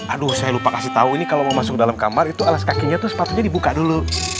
aduh saya lupa kasih tahu ini kalau mau masuk dalam kamar itu alas kakinya tuh sepatunya dibuka dulu